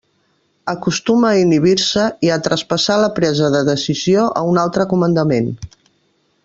Acostuma a inhibir-se i a traspassar la presa de decisió a un altre comandament.